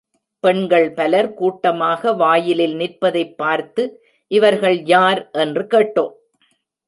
பெண்கள் பலர் கூட்டமாக வாயிலில் நிற்பதைப் பார்த்து, இவர்கள் யார்? என்று கேட்டோம்.